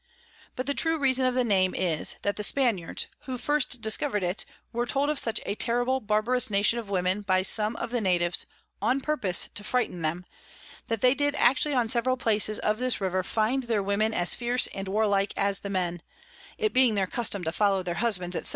But the true Reason of the Name is, that the Spaniards, who first discover'd it, were told of such a terrible barbarous Nation of Women by some of the Natives, on purpose to frighten them, and that they did actually on several places of this River find their Women as fierce and warlike as the Men; it being their Custom to follow their Husbands, _&c.